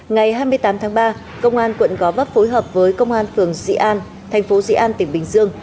ngày hai mươi tám tháng ba công an quận gò vấp phối hợp với công an phường dị an tp dị an tp bình dương